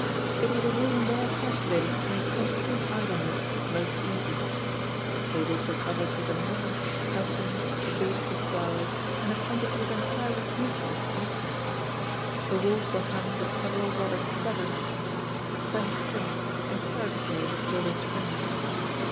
It was a room well calculated to make complete idleness most easy. The tables were covered with a mass of albums, vases of flowers, and a quantity of entirely useless knick knacks. The walls were hung with several rather clever sketches, French prints and caricatures of Dodo's friends.